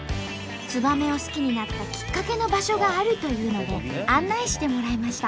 ツバメを好きになったきっかけの場所があるというので案内してもらいました。